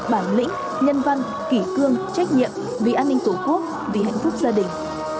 bản lĩnh nhân văn kỷ cương trách nhiệm vì an ninh tổ quốc vì hạnh phúc gia đình